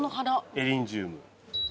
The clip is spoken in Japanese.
エリンジウム。